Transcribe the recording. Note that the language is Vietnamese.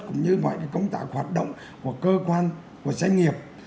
cũng như mọi công tác hoạt động của cơ quan của doanh nghiệp